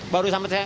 baru sampai saya